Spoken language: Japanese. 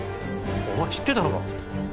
お前知ってたのか？